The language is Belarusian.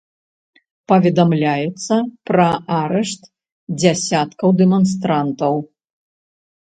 Паведамляецца пра арышт дзясяткаў дэманстрантаў.